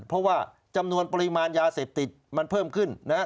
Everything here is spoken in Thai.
เพราะว่าจำนวนปริมาณยาเสพติดมันเพิ่มขึ้น